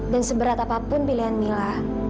dan seberat apapun pilihan mila